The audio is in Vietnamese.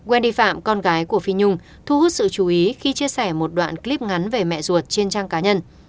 endy phạm con gái của phi nhung thu hút sự chú ý khi chia sẻ một đoạn clip ngắn về mẹ ruột trên trang cá nhân